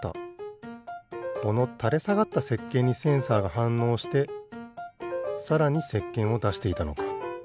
このたれさがったせっけんにセンサーがはんのうしてさらにせっけんをだしていたのか。